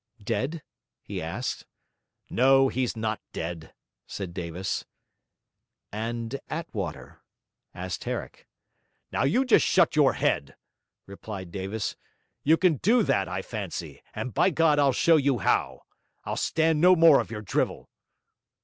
'Dead?' he asked. 'No, he's not dead,' said Davis. 'And Attwater?' asked Herrick. 'Now you just shut your head!' replied Davis. 'You can do that, I fancy, and by God, I'll show you how! I'll stand no more of your drivel.'